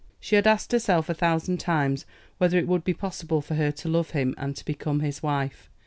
She had asked herself a thousand times whether it would be possible for her to love him and to become his wife.